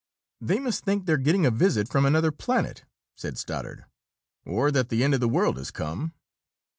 "They must think they're getting a visit from another planet," said Stoddard. "Or that the end of the world has come!"